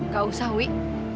gak usah wih